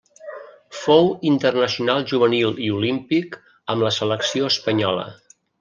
Fou internacional juvenil i olímpic amb la selecció espanyola.